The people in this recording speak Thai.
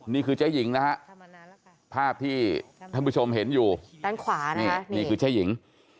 นี่คือเจ้าหญิงนะภาพที่ท่านผู้ชมเห็นอยู่นี่คือเจ้าหญิง